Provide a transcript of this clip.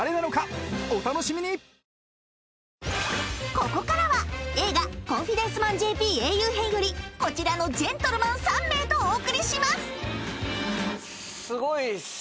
［ここからは映画『コンフィデンスマンＪＰ英雄編』よりこちらのジェントルマン３名とお送りします］